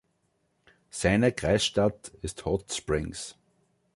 Seine Kreisstadt ist Hot Springs.